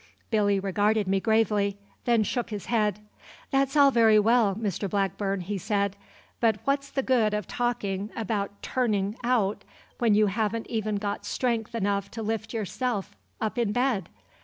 Billy regarded me gravely; then shook his head. "That's all very well, Mr Blackburn," he said, "but what's the good of talkin' about turnin' out, when you haven't even got strength enough to lift yourself up in bed?